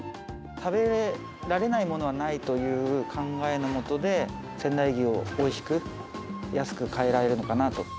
食べられないものはないという考えのもとで、仙台牛をおいしく安く変えられるかなと。